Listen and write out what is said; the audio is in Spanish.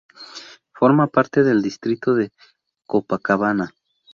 Forma parte del distrito de Copacabana.